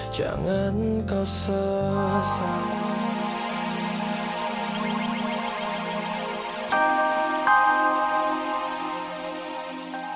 jangan kau sehat